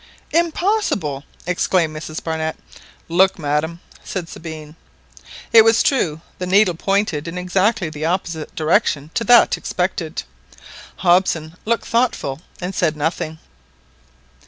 "Impossible!" exclaimed Mrs Barnett. "Look, madam," said Sabine. It was true. The needle pointed in exactly the opposite direction to that expected. Hobson looked thoughtful and said nothing.